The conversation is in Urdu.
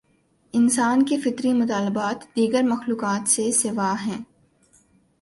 انسان کے فطری مطالبات، دیگر مخلوقات سے سوا ہیں۔